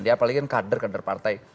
dia apalagi kan kader kader partai